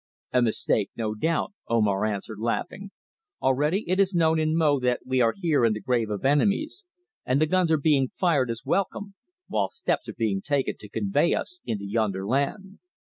"A mistake no doubt," Omar answered laughing. "Already it is known in Mo that we are here in the Grave of Enemies, and the guns are being fired as welcome, while steps are being taken to convey us into yonder land."